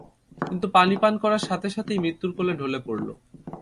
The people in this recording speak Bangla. কিন্তু পানি পান করার সাথে সাথেই মৃত্যুর কোলে ঢলে পড়ল।